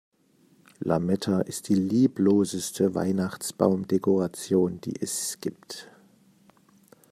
Lametta ist die liebloseste Weihnachtsbaumdekoration, die es gibt.